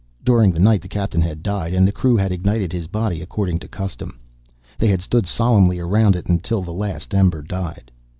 During the night the Captain had died, and the crew had ignited his body, according to custom. They had stood solemnly around it until the last ember died.